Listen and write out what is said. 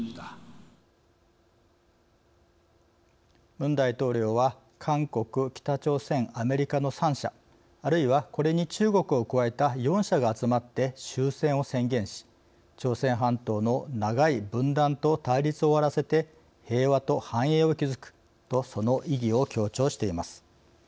ムン大統領は韓国北朝鮮アメリカの３者あるいはこれに中国を加えた４者が集まって終戦を宣言し「朝鮮半島の長い分断と対立を終わらせて平和と繁栄を築く」とその意義を強調しています。